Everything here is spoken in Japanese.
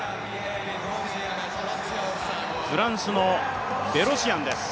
フランスのベロシアンです。